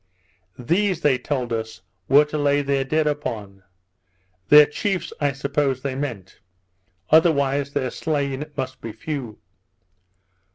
These, they told us, were to lay their dead upon; their chiefs I suppose they meant, otherwise their slain must be few.